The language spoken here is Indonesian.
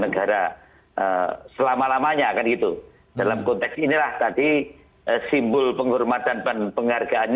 secara selama lamanya akan itu dalam konteks inilah tadi simbol penghormatan dan penghargaan